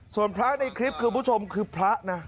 ส่วนพระในคลิปคุณผู้ชมคือพระนะ